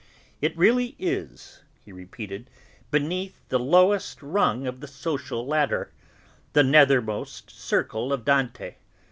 "It really is," he repeated, "beneath the lowest rung of the social ladder, the nethermost circle of Dante.